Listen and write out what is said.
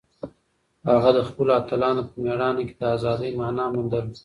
هغه د خپلو اتلانو په مېړانه کې د ازادۍ مانا موندله.